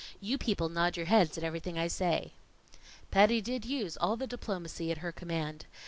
"You people nod your heads at everything I say." Patty did use all the diplomacy at her command.